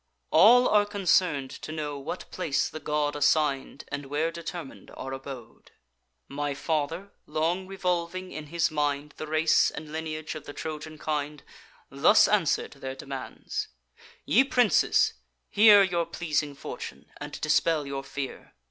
"All are concern'd to know what place the god Assign'd, and where determin'd our abode. My father, long revolving in his mind The race and lineage of the Trojan kind, Thus answer'd their demands: 'Ye princes, hear Your pleasing fortune, and dispel your fear.